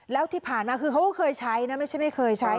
แล้วที่ผ่านมาคือเขาก็เคยใช้นะไม่ใช่ไม่เคยใช้